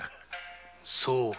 そうか。